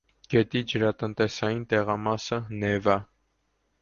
Գետի ջրատնտեսային տեղամասը՝ Նևա։